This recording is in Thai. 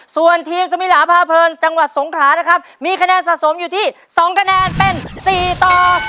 ส่วนทีมสมิลาพาเพลินจังหวัดสงขลานะครับมีคะแนนสะสมอยู่ที่๒คะแนนเป็น๔ต่อ